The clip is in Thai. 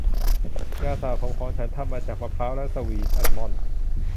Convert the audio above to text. ยาสระผมของฉันทำมาจากมะพร้าวและสวีทอัลมอนด์